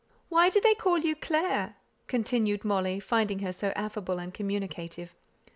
"Why do they call you 'Clare?'" continued Molly, finding her so affable and communicative.